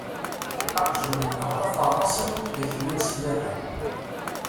Aqjun-nneɣ d aferḍas am widak-nni n ṣyada.